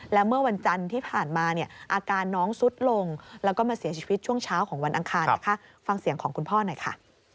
และเมื่อวันจันทร์ที่ผ่านมาเนี่ยอาการน้องสุดลงแล้วก็มาเสียชีวิตช่วงเช้าของวันอังคารนะคะฟังเสียงของคุณพ่อหน่อยค่ะ